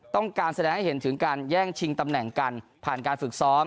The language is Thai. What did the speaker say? ต้องการแสดงให้เห็นถึงการแย่งชิงตำแหน่งกันผ่านการฝึกซ้อม